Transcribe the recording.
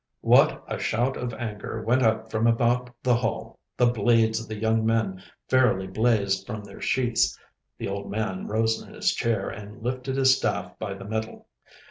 What a shout of anger went up from about the hall! The blades of the young men fairly blazed from their sheaths. The old man rose in his chair and lifted his staff by the middle.